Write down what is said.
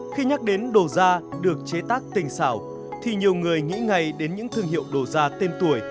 khi nhắc đến đồ da được chế tác tình xảo thì nhiều người nghĩ ngay đến những thương hiệu đồ da tên tuổi